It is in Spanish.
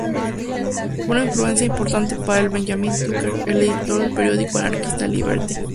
Fue una influencia importante para Benjamin Tucker, el editor del periódico anarquista "Liberty".